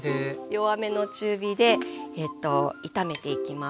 弱めの中火で炒めていきます。